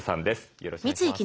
よろしくお願いします。